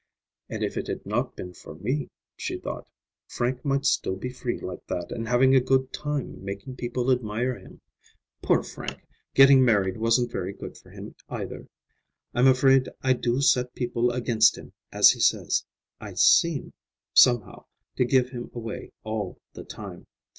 "And if it had not been for me," she thought, "Frank might still be free like that, and having a good time making people admire him. Poor Frank, getting married wasn't very good for him either. I'm afraid I do set people against him, as he says. I seem, somehow, to give him away all the time.